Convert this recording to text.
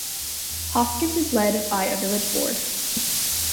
Hoskins is led by a village board.